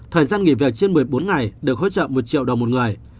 thời gian nghỉ việc trên một mươi bốn ngày được hỗ trợ một triệu đồng một người